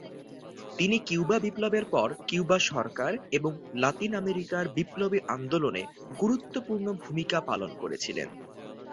তিনি কিউবা বিপ্লবের পর কিউবা সরকার এবং লাতিন আমেরিকান বিপ্লবী আন্দোলনে গুরুত্বপূর্ণ ভূমিকা পালন করেছিলেন।